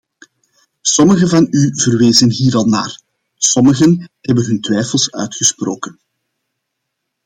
Sommigen van u verwezen hier al naar; sommigen hebben hun twijfels uitgesproken.